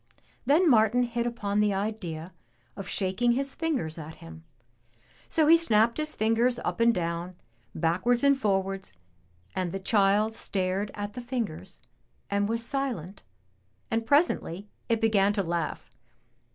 Then Martin hit upon the idea of shaking his fingers at him, so he snapped his fingers up and down, backwards and forwards, and the child stared at the fingers and was silent and presently it began to laugh.